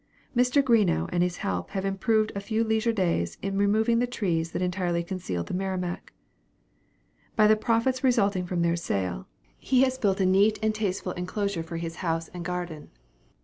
Mr. Greenough and his help have improved a few leisure days in removing the trees that entirely concealed the Merrimac. By the profits resulting from their sale, he has built a neat and tasteful enclosure for his house and garden.